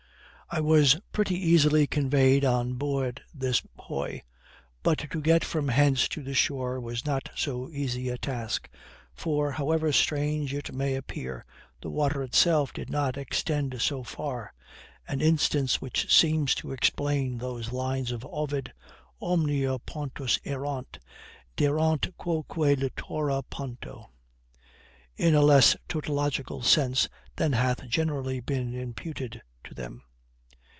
I was pretty easily conveyed on board this hoy; but to get from hence to the shore was not so easy a task; for, however strange it may appear, the water itself did not extend so far; an instance which seems to explain those lines of Ovid, Omnia pontus erant, deerant quoque littora ponto, in a less tautological sense than hath generally been imputed to them.